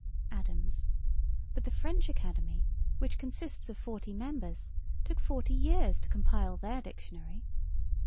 ADAMS. But the French Academy, which consists of forty members, took forty years to compile their Dictionary.